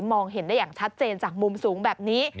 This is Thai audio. มองเห็นได้อย่างชัดเจนจากมุมสูงแบบนี้